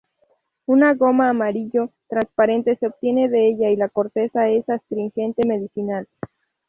Una goma amarillo transparente se obtiene de ella y la corteza es astringente medicinal.